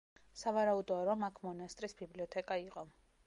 სავარაუდოა, რომ აქ მონასტრის ბიბლიოთეკა იყო.